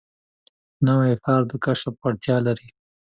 نوی ښار د کشف وړتیا لري